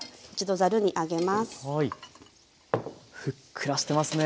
ふっくらしてますね。